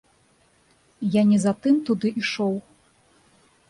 Я не за тым туды ішоў.